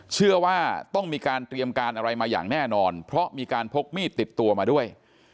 เชื่อว่าต้องมีการเตรียมการอะไรมาอย่างแน่นอนเพราะมีการพกมีดติดตัวมาด้วย